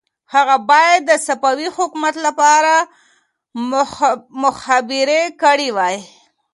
هغه باید د صفوي حکومت لپاره مخبري کړې وای.